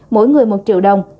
mỗi người một triệu đồng